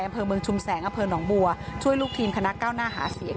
อำเภอเมืองชุมแสงอำเภอหนองบัวช่วยลูกทีมคณะก้าวหน้าหาเสียง